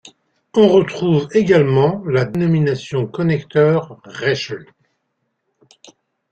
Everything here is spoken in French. On retrouve également la dénomination connecteur Reichle.